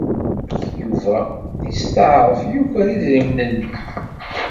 Yuba yesteɛṛef yuker idrimen-nni.